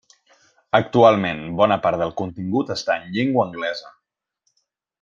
Actualment, bona part del contingut està en llengua anglesa.